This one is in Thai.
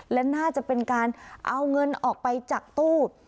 และน่าจะเป็นการเอาเงินออกไปจากตู้